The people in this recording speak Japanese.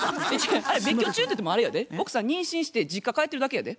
別居中ってゆうてもあれやで奥さん妊娠して実家帰ってるだけやで。